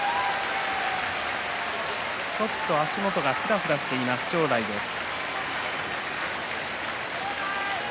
ちょっと足元がふらふらしています正代です。